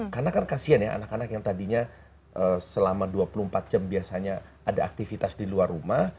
karena kan kasian ya anak anak yang tadinya selama dua puluh empat jam biasanya ada aktivitas di luar rumah